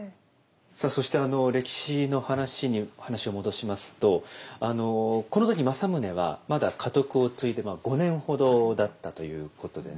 さあそしてあの歴史の話に話を戻しますとこの時政宗はまだ家督を継いで５年ほどだったということでね